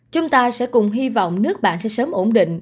chúng ta sẽ cùng hy vọng nước bạn sẽ sớm ổn định